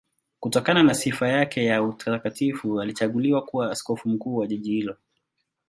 Kutokana na sifa yake ya utakatifu alichaguliwa kuwa askofu mkuu wa jiji hilo.